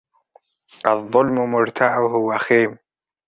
الظلم مرتعه وخيم.